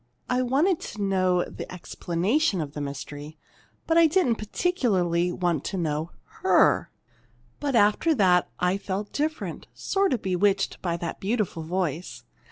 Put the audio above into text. I wanted to know the explanation of the mystery, but I didn't particularly want to know her. But after that, I felt different, sort of bewitched by that beautiful voice.